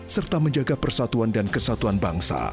serta menjaga persatuan dan kesatuan bangsa